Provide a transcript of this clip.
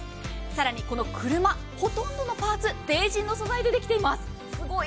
更に、この車ほとんどのパーツＴＥＩＪＩＮの素材でできています。